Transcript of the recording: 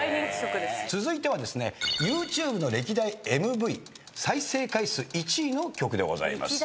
続いてはですねＹｏｕＴｕｂｅの歴代ＭＶ再生回数１位の曲でございます。